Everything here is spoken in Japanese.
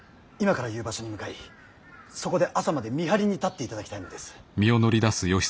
今から言う場所に向かいそこで朝まで見張りに立っていただきたいのです。